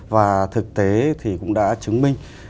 và thực tế thì cũng đã chứng minh